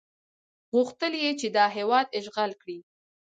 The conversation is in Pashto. غوښتل یې چې دا هېواد اشغال کړي.